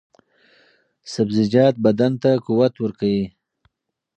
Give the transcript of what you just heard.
سبزیجات بدن ته قوت ورکوي.